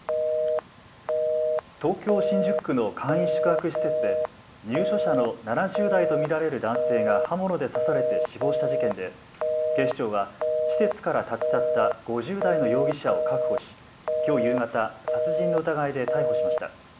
東京新宿区の簡易宿泊施設で入所者の７０代と見られる男性が刃物で刺されて死亡した事件で警視庁は施設から立ち去った５０代の容疑者を確保し、きょう夕方、殺人の疑いで逮捕しました。